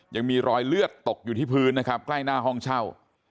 ยังมีรอยเลือดตกอยู่ที่พื้นนะครับใกล้หน้าห้องเช่า